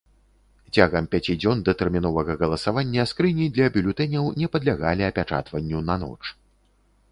Цягам пяці дзён датэрміновага галасавання скрыні для бюлетэняў не падлягалі апячатванню на ноч.